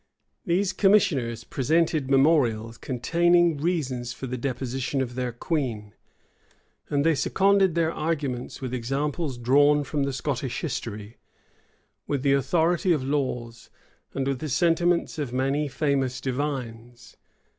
These commissioners presented memorials, containing reasons for the deposition of their queen; and they seconded their arguments with examples drawn from the Scottish history, with the authority of laws, and with the sentiments of many famous divines.